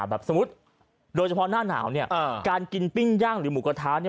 สมมุติโดยเฉพาะหน้าหนาวเนี่ยการกินปิ้งย่างหรือหมูกระทะเนี่ย